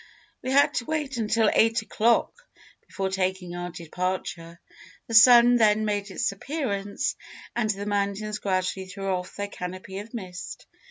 "We had to wait until eight o'clock before taking our departure. The sun then made its appearance, and the mountains gradually threw off their canopy of mist.